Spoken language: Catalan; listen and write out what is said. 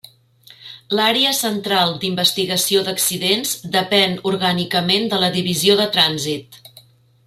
L'Àrea Central d'Investigació d'Accidents depèn orgànicament de la Divisió de Trànsit.